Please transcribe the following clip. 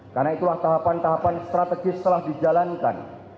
karena itulah tahapan tahapan strategis telah dijalankan